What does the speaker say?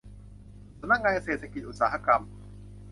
สำนักงานเศรษฐกิจอุตสาหกรรม